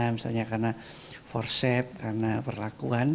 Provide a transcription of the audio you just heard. misalnya karena forcet karena perlakuan